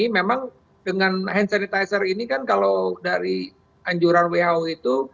memang dengan hand sanitizer ini kan kalau dari anjuran who itu